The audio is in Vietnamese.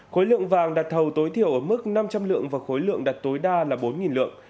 khối lượng vàng đặt thầu tối thiểu ở mức năm trăm linh lượng và khối lượng đặt tối đa là bốn lượng